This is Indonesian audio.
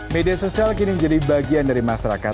media sosial kini menjadi bagian dari masyarakat